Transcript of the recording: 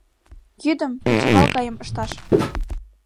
Йӱдым кечывал гайым ышташ!..